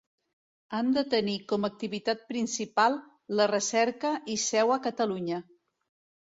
Han de tenir com activitat principal la recerca i seu a Catalunya.